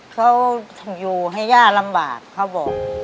เขาอยู่ให้ย่าลำบากเขาบอก